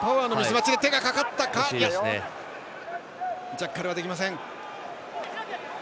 ジャッカルはできません。